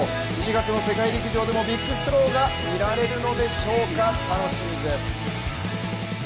７月の世界陸上でもビッグスローが見られるのでしょうか、楽しみです。